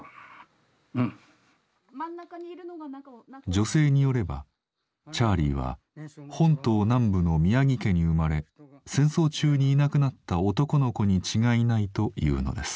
女性によればチャーリーは本島南部の宮城家に生まれ戦争中にいなくなった男の子に違いないと言うのです。